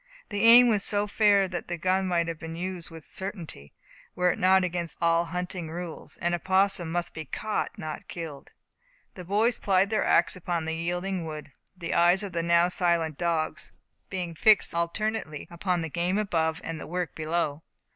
The aim was so fair that the gun might have been used with certainty, were it not against all hunting rule; an opossum must be caught, not killed. The boys plied their ax upon the yielding wood, the eyes of the now silent dogs being fixed alternately upon the game above and the work below.